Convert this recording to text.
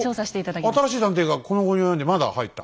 おっ新しい探偵がこの期に及んでまだ入った？